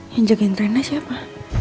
yang jagain trennya siapa